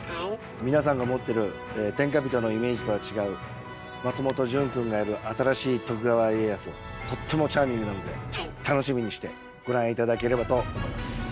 皆さんが持ってる天下人のイメージとは違う松本潤くんがやる新しい徳川家康はとってもチャーミングなので楽しみにしてご覧頂ければと思います。